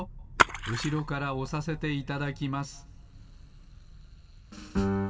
うしろからおさせていただきます